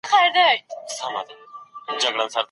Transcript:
اسلام د ټولني هر غړي ته د ژوند حق ورکوي.